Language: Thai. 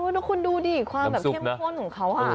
น้องคุณดูดิความเข้มข้นของเขา